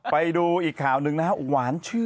ไปดูอีกข่าวหนึ่งนะครับ